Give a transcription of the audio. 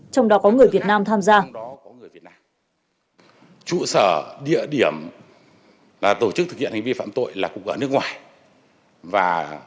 trong đó có người việt nam tham gia